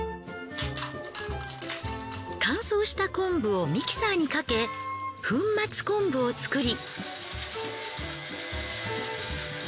乾燥した昆布をミキサーにかけ粉末昆布を作り。